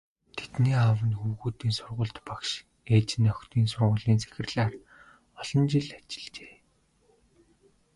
Тэдний аав нь хөвгүүдийн сургуульд багш, ээж нь охидын сургуулийн захирлаар олон жил ажиллажээ.